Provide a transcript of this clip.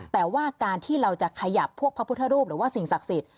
แต่ว่าการที่เราจะขยับพวกพระพุทธรูปหรือว่าสิ่งศักดิ์สิทธิ